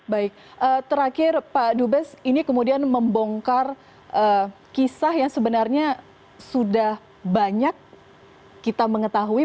baik terakhir pak dubes ini kemudian membongkar kisah yang sebenarnya sudah banyak kita mengetahui